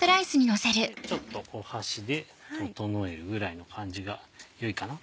ちょっと箸で整えるぐらいの感じが良いかな。